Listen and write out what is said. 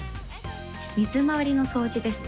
水回りの掃除ですね。